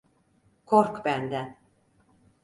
Kork benden.